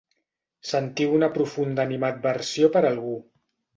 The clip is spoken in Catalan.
Sentiu una profunda animadversió per algú.